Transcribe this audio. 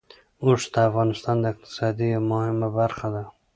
اوښ د افغانستان د اقتصاد یوه مهمه برخه ده.